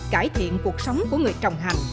cải thiện cuộc sống của người trồng hành